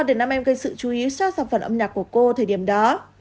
để nam em gây sự chú ý so sọc phần âm nhạc của cô thời điểm đó